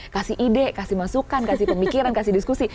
kasih ide kasih masukan kasih pemikiran kasih diskusi